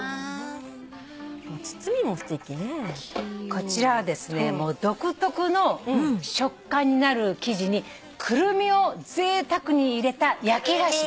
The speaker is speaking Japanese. こちらはですね独特の食感になる生地にクルミをぜいたくに入れた焼き菓子です。